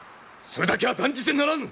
それだけは断じてならぬ！